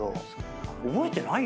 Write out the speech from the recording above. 覚えてないよね？